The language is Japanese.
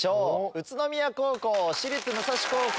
宇都宮高校私立武蔵高校